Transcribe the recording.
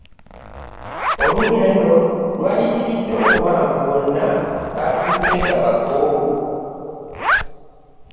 Olugendo lwayitiridde obuwanvu bonna batuuse nga bakoowu.